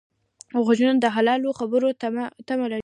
غوږونه د حلالو خبرو تمه لري